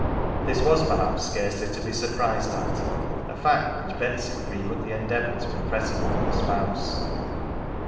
This was, perhaps, scarcely to be surprised at, a fact which Betsy frequently endeavoured to impress on her spouse.